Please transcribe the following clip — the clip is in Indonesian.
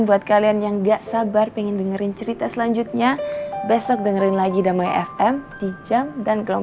buat kalian yang gak sabar pengen dengerin cerita selanjutnya besok dengerin lagi damai fm di jam dan gelombang